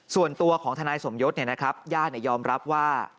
ส่วนตัวของธนายศมยศเนี่ยนะครับญาติยอมรับว่า